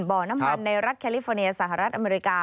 บ่อน้ำมันในรัฐแคลิฟอร์เนียสหรัฐอเมริกา